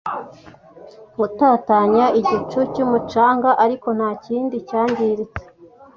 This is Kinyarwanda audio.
gutatanya igicu cyumucanga ariko ntakindi cyangiritse.